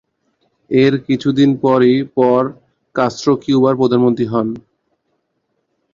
এর কিছুদিন পরই পর কাস্ত্রো কিউবার প্রধানমন্ত্রী হন।